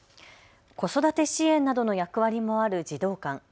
子育て支援などの役割もある児童館。